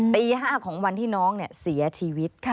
ตี๕ของวันที่น้องเสียชีวิต